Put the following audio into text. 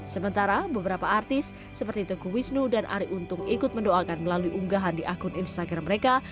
sementara beberapa artis seperti teguh wisnu dan ari untung ikut mendoakan melalui unggahan di akun instagram mereka